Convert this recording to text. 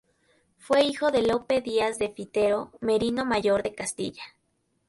Fue hijo de Lope Díaz de Fitero, merino mayor de Castilla.